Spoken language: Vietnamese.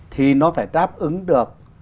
thì nó phải đáp ứng được